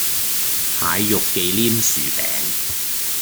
蟹肉忌廉薯餅